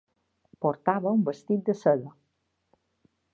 Portava un vestit de seda.